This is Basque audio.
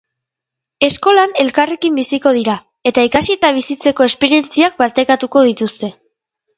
Eskolan elkarrekin biziko dira, eta ikasi eta bizitako esperientziak partekatuko dituzte.